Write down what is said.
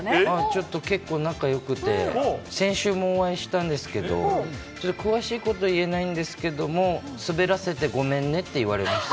ちょっと結構仲よくて、先週もお会いしたんですけど、ちょっと詳しいこと言えないんですけども、滑らせてごめんねって言われました。